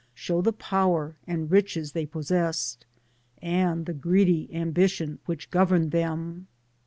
show the power and riches they possessed, and the greedy ambition which governed them.